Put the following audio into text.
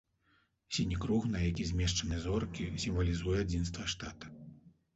Сіні круг, на які змешчаны зоркі, сімвалізуе адзінства штата.